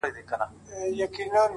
توري ورځي سپیني شپې مي نصیب راکړې!!